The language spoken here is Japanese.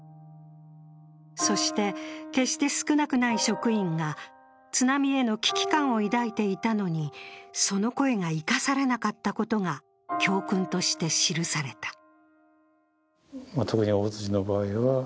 そして、決して少なくない職員が津波への危機感を抱いていたのに、その声が生かされなかったことが教訓として記された。